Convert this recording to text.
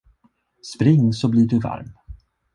Spring, så blir du varm.